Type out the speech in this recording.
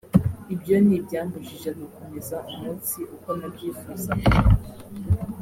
ibyo ni ibyambujije gukomeza umunsi uko nabyifuzaga